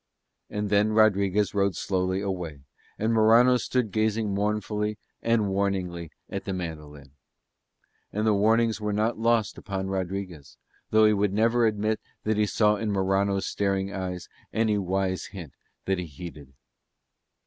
And then Rodriguez rode slowly away, and Morano stood gazing mournfully and warningly at the mandolin; and the warnings were not lost upon Rodriguez, though he would never admit that he saw in Morano's staring eyes any wise hint that he heeded.